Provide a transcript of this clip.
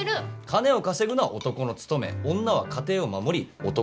金を稼ぐのは男の務め女は家庭を守り男を支える。